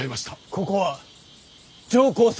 ここは上皇様